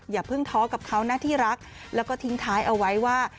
อย่าเพิ่งท้อกับเขานะที่รักแล้วก็ทิ้งท้ายเอาไว้ว่า